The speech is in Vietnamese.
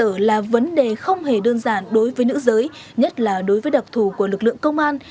cơ sở là vấn đề không hề đơn giản đối với nữ giới nhất là đối với đặc thù của lực lượng công an